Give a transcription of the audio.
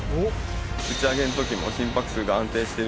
うち上げのときも心拍数が安定してる。